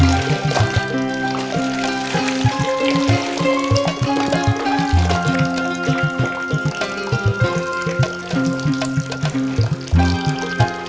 tidak ada yang tahu